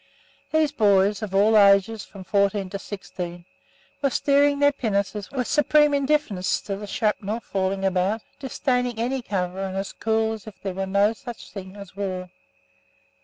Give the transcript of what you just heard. These boys, of all ages from 14 to 16, were steering their pinnaces with supreme indifference to the shrapnel falling about, disdaining any cover and as cool as if there was no such thing as war.